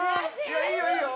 いやいいよいいよ！